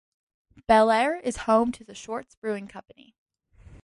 Bellaire is home to the Short's Brewing Company.